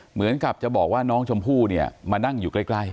เหมือนกับจะบอกว่าน้องชมพู่เนี่ยมานั่งอยู่ใกล้